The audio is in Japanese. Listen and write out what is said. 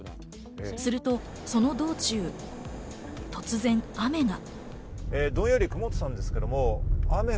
するとその道中、突然雨が。